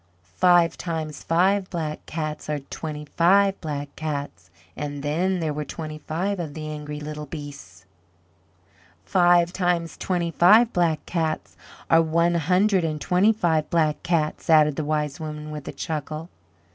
"Five times five Black Cats are twenty five Black Cats." And then there were twenty five of the angry little beasts. "Five times twenty five Black Cats are one hundred and twenty five Black Cats," added the Wise Woman with a chuckle.